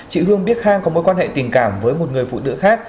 chị hương biết khang có mối quan hệ tình cảm với một người phụ nữ khác